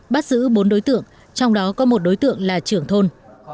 bắt giữ bốn đối tượng trong đó có một đối tượng là trưởng thôn